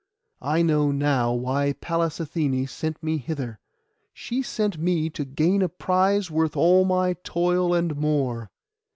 I know now why Pallas Athené sent me hither. She sent me to gain a prize worth all my toil and more.